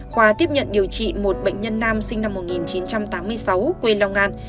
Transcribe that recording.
khoa tiếp nhận điều trị một bệnh nhân nam sinh năm một nghìn chín trăm tám mươi sáu quê long an